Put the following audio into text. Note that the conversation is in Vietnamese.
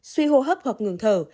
suy hô hấp hoặc ngừng thở